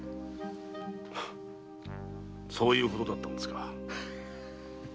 そういうことだったんですか。